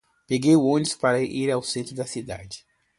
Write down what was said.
Peguei o ônibus para ir ao centro da cidade.